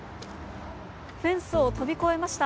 フェンスを飛び越えました。